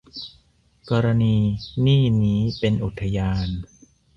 กรณีนี่นี้ เป็นอุทยาน